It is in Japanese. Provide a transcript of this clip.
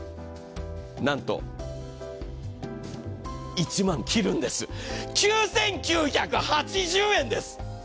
なんと１万切るんです、９９８０円です！